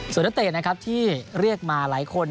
ส่วนนักเตะนะครับที่เรียกมาหลายคน